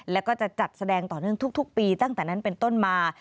แล้วก็จะจัดแสดงต่อเนื่องทุกปีตั้งแต่นั้นเป็นต้นมา